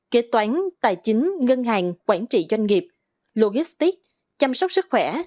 kế toán tài chính ngân hàng quản trị doanh nghiệp logistic chăm sóc sức khỏe